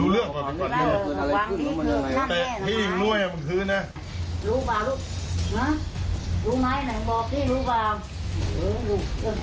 รู้บ้างลูก